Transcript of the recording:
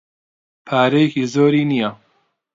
پارەیەکی زۆری نییە.